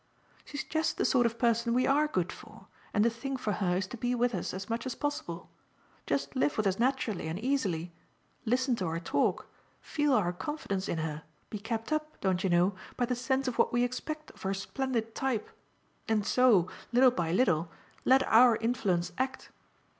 "She's just the sort of person we ARE good for, and the thing for her is to be with us as much as possible just live with us naturally and easily, listen to our talk, feel our confidence in her, be kept up, don't you know? by the sense of what we expect of her splendid type, and so, little by little, let our influence act.